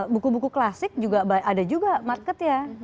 buku buku klasik ada juga market ya